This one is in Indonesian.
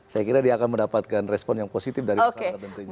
saya kira dia akan mendapatkan respon yang positif dari sesama tentunya